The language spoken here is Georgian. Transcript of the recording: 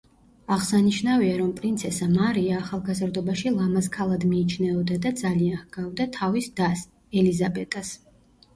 აღსანიშნავია, რომ პრინცესა მარია ახალგაზრდობაში ლამაზ ქალად მიიჩნეოდა და ძალიან ჰგავდა თავის დას, ელიზაბეტას.